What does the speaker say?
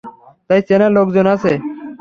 তাই চেনা লোকজন আছে।